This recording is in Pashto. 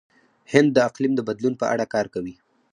هند د اقلیم د بدلون په اړه کار کوي.